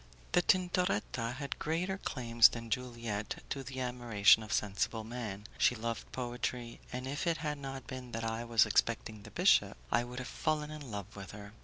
The Tintoretta had greater claims than Juliette to the admiration of sensible men. She loved poetry, and if it had not been that I was expecting the bishop, I would have fallen in love with her.